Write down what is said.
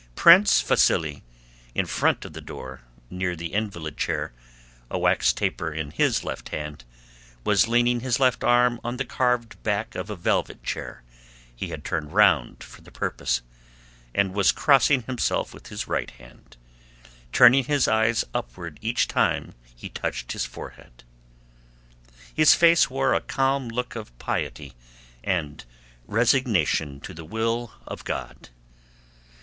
Prince Vasíli in front of the door, near the invalid chair, a wax taper in his left hand, was leaning his left arm on the carved back of a velvet chair he had turned round for the purpose, and was crossing himself with his right hand, turning his eyes upward each time he touched his forehead. His face wore a calm look of piety and resignation to the will of God.